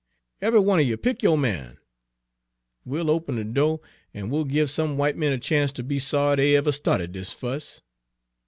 Eve'y one er you pick yo' man! We'll open de do', an' we'll give some w'ite men a chance ter be sorry dey ever started dis fuss!"